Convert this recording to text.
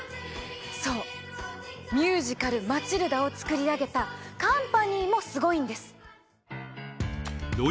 そうミュージカル『マチルダ』を作り上げたカンパニーもすごいんです！